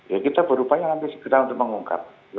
ya kita berupaya nanti segera untuk mengungkap